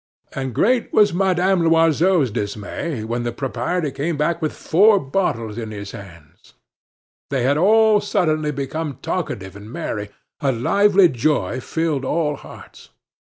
And great was Madame Loiseau's dismay when the proprietor came back with four bottles in his hands. They had all suddenly become talkative and merry; a lively joy filled all hearts.